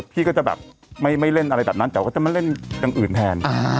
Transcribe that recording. พี่ก็จะแบบไม่เล่นอะไรแบบนั้นแต่ว่าจะมาเล่นอย่างอื่นแทน